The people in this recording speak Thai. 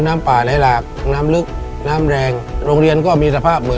ในแคมเปญพิเศษเกมต่อชีวิตโรงเรียนของหนู